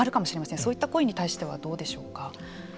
そういった声に対してはどうでしょうか。